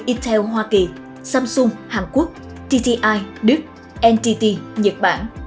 intel hoa kỳ samsung hàn quốc tti đức ntt nhật bản